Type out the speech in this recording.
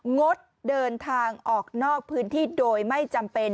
งดเดินทางออกนอกพื้นที่โดยไม่จำเป็น